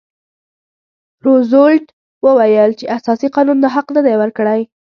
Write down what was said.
روزولټ وویل چې اساسي قانون دا حق نه دی ورکړی.